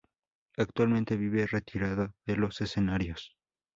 Actualmente vive retirada de los escenarios.